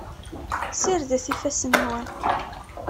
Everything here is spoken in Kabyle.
Sirdet ifassen-nwen.